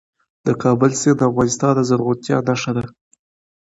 د کابل سیند د افغانستان د زرغونتیا نښه ده.